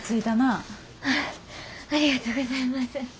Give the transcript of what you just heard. ありがとうございます。